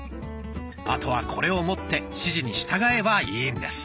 あとはこれを持って指示に従えばいいんです。